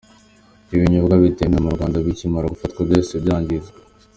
Ibi binyobwa bitemewe mu Rwanda bikimara gufatwa byahise byangizwa.